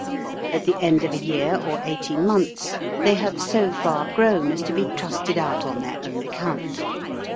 At the end of a year or eighteen months, they have so far grown as to be trusted out on their own account.